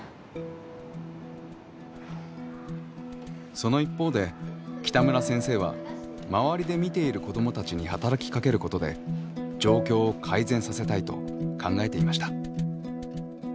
その一方で北村先生は周りで見ている子どもたちに働きかけることで状況を改善させたいと考えていました。